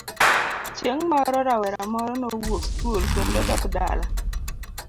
Chieng' moro rawera moro nowuok skul kendo dok dala.